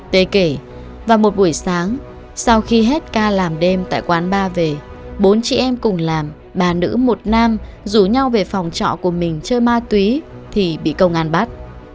tê kể và một buổi sáng sau khi hết ca làm đêm tại quán bar về bốn chị em cùng làm bà nữ một nam rủ nhau về phòng trọ của mình chơi ma túy thì bị công an bắt